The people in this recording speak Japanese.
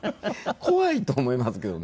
怖いと思いますけどね。